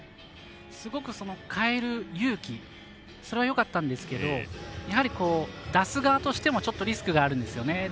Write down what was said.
すごく変える勇気それはよかったんですけどやはり出す側としてもちょっとリスクがあるんですね。